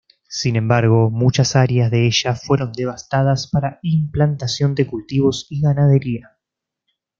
Sin embargo, muchas áreas de ella fueron devastadas para implantación de cultivos y ganadería.